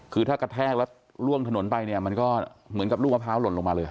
คือถ้ากระแทกแล้วล่วงถนนไปเนี่ยมันก็เหมือนกับลูกมะพร้าหล่นลงมาเลย